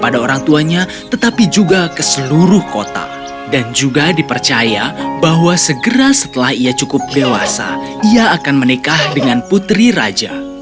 dan juga dipercaya bahwa segera setelah ia cukup dewasa ia akan menikah dengan putri raja